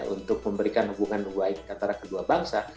untuk memberikan hubungan baik antara kedua bangsa